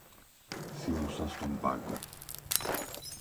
Σίμωσα στον μπάγκο